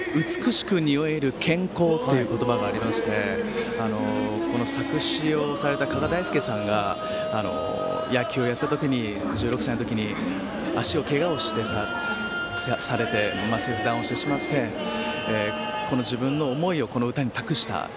「美しくにおえる健康」という言葉がありまして作詞をされた方が野球やった時に１６歳の時に足のけがをされて切断をしてしまって自分の思いをこの歌に託した。